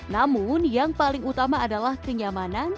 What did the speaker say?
namun yang paling utama adalah kenyamanan